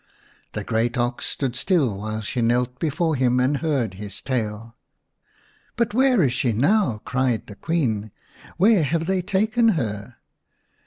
The great ox stood still while she knelt before him and heard his tale. " But where is she now ?" cried the Queen ;" where have they taken her